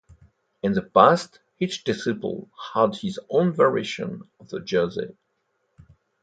In the past, each discipline had its own variation of the jersey.